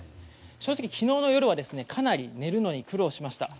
正直、昨日の夜はかなり寝るのに苦労しました。